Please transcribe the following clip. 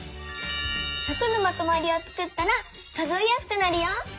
１００のまとまりをつくったら数えやすくなるよ！